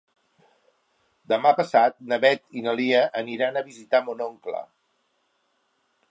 Demà passat na Beth i na Lia aniran a visitar mon oncle.